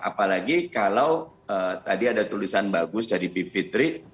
apalagi kalau tadi ada tulisan bagus dari bivitri